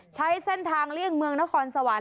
ใช้เส้นทางเลี่ยงเมืองนครสวรรค